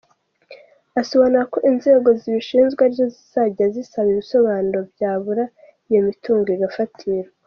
Asobanura ko inzego zibishinzwe ari zo zizajya zisaba ibisobanuro, byabura iyo mitungo igafatirwa.